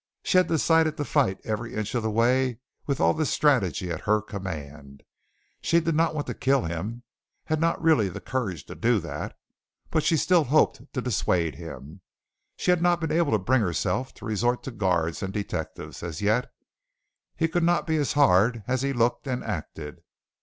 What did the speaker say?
She had decided to fight every inch of the way with all the strategy at her command. She did not want to kill him had not really the courage to do that but she still hoped to dissuade him. She had not been able to bring herself to resort to guards and detectives as yet. He could not be as hard as he looked and acted.